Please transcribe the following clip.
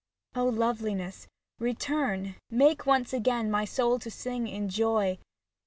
O Loveliness, return, Make once again my soul to sing in joy.